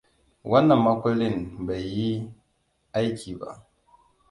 Wannan makullin bai yi aiki ba.